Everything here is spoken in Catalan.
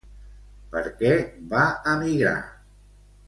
Per què va emigrar?